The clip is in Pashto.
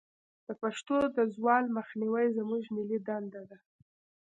د پښتو د زوال مخنیوی زموږ ملي دندې ده.